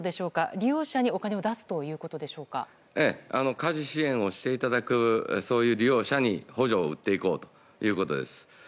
利用者にお金を出す家事支援をしていただくそういう利用者に補助をしていこうということです。